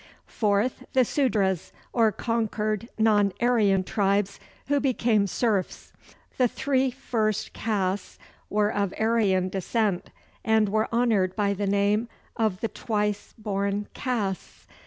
Fourth, the Sudras, or conquered non Aryan tribes, who became serfs. The three first castes were of Aryan descent, and were honored by the name of the Twice born Castes.